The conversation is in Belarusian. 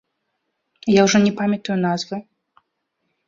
Я ўжо не памятаю назвы.